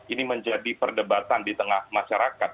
ini menjadi perdebatan di tengah masyarakat